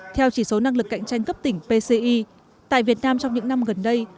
theo chỉ số năng lực cạnh tranh cấp tỉnh pci tại việt nam trong những năm gần đây